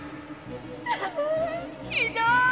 ひどい！